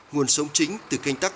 nguồn sống chính từ kinh tắc